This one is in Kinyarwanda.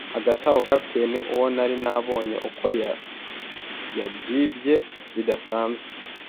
Hagati aho, capitaine, uwo nari nabonye ko yabyimbye bidasanzwe